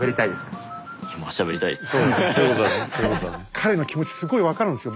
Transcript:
彼の気持ちすごい分かるんですよ。